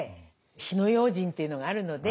火の用心っていうのがあるので。